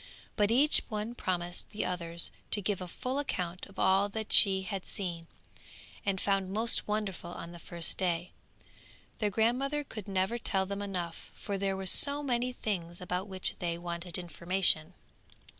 But each one promised the others to give a full account of all that she had seen, and found most wonderful on the first day. Their grandmother could never tell them enough, for there were so many things about which they wanted information.